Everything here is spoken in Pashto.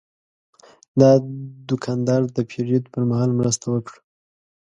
دا دوکاندار د پیرود پر مهال مرسته وکړه.